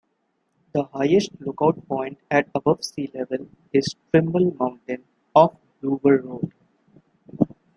The highest lookout point, at above sea level, is Trimble Mountain, off Brewer Road.